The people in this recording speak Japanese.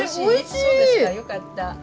そうですかよかった。